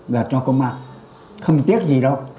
và cho công mạc không tiếc gì đâu